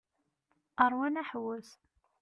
Rwan aḥewwes.